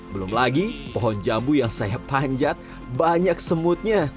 belum lagi pohon jambu yang saya panjat banyak semutnya